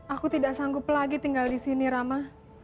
aku tidak sanggup lagi tinggal di sini rama